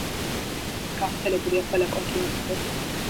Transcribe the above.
გავრცელებულია ყველა კონტინენტზე.